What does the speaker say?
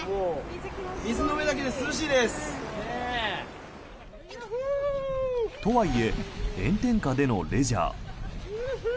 水の上だけで涼しいです！とはいえ炎天下でのレジャー。